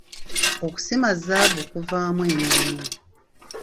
Okusima zzaabu kuvaamu emirimu.